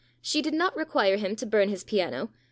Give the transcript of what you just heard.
She did not require him to burn his piano.